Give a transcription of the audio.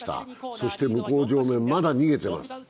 そして向こう正面まだ逃げています。